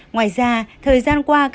ngoài ra thời gian qua